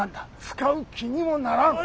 使う気にもならん。